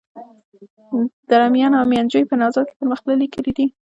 دره میان او ميانجوی په نوزاد کي پرمختللي کلي دي.